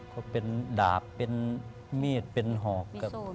ก็เป็นดาบเป็นมีดเป็นหอกครับ